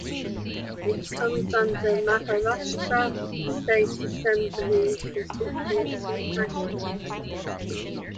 It comes under Maharashtra state assembly constituency Ashti.